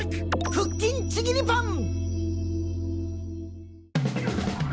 腹筋ちぎりパン！